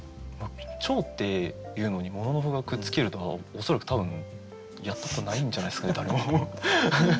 「蝶」っていうのに「もののふ」がくっつけるとか恐らく多分やったことないんじゃないですかね誰も。